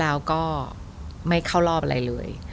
แล้วก็ไม่เข้ารอบอะไรเลย